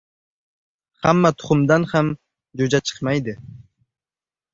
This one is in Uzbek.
• Hamma tuxumdan ham jo‘ja chiqmaydi.